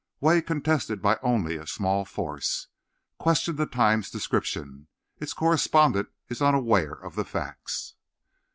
Way contested by only a small force. Question the Times description. Its correspondent is unaware of the facts.